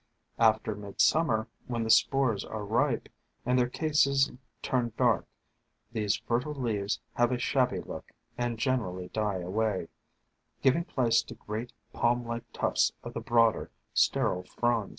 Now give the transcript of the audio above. After Mid summer, when the spores are ripe, and their cases turn dark, these fertile leaves have a shabby look, and generally die away, giving place to great, palm like tufts of the broader, sterile fronds.